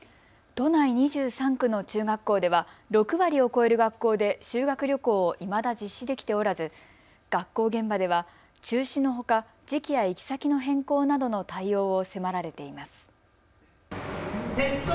都内２３区の中学校では６割を超える学校で修学旅行をいまだ実施できておらず学校現場では中止のほか時期や行き先の変更などの対応を迫られています。